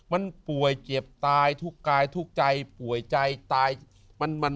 มันป่วยเจ็บตายทุกกายทุกใจป่วยใจตาย